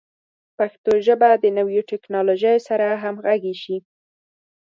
پښتو ژبه د نویو ټکنالوژیو سره همغږي شي.